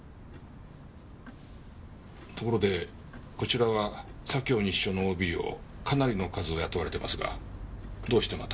ところでこちらは左京西署のＯＢをかなりの数雇われていますがどうしてまた？